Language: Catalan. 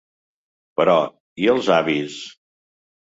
Però, i els avis?